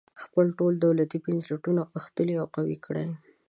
خپل ټول دولتي بنسټونه غښتلي او قوي کړي.